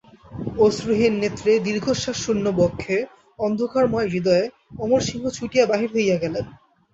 অশ্রুহীন নেত্রে, দীর্ঘশ্বাসশূন্য বক্ষে, অন্ধকারময় হৃদয়ে, অমরসিংহ ছুটিয়া বাহির হইয়া গেলেন।